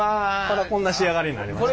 こんな仕上がりになりました。